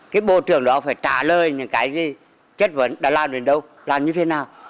cái bộ trưởng đó phải trả lời những cái chất vấn đã làm đến đâu làm như thế nào